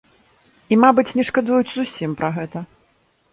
І, мабыць, не шкадуюць зусім пра гэта.